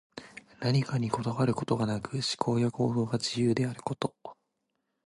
何かにこだわることがなく、思考や行動が自由であること。